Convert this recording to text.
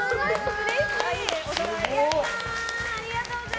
うれしい！